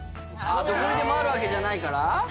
どこにでもあるわけじゃないから？